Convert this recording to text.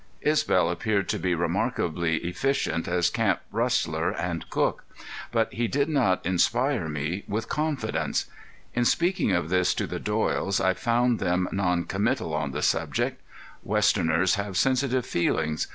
Isbel appeared to be remarkably efficient as camp rustler and cook, but he did not inspire me with confidence. In speaking of this to the Doyles I found them non committal on the subject. Westerners have sensitive feelings.